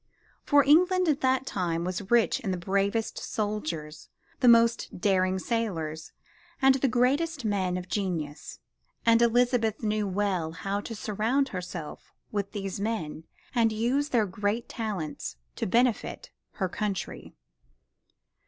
For England at that time was rich in the bravest soldiers, the most daring sailors and the greatest men of genius, and Elizabeth knew well how to surround herself with these men and use their great talents to benefit her country.